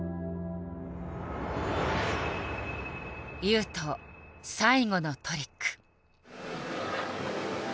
雄斗最後のトリック。